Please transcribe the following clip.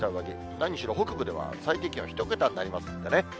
何しろ北部では最低気温１桁になりますんでね。